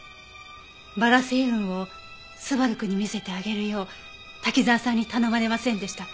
バラ星雲を昴くんに見せてあげるよう滝沢さんに頼まれませんでしたか？